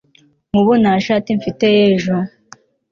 nkubu ntashati mfite yejo